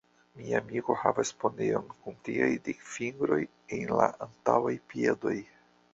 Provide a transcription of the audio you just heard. Mia amiko havas poneon kun tiaj dikfingroj en la antaŭaj piedoj.